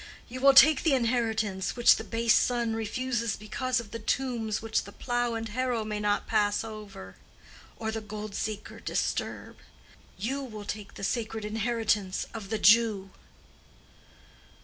You will take the inheritance which the base son refuses because of the tombs which the plow and harrow may not pass over or the gold seeker disturb: you will take the sacred inheritance of the Jew."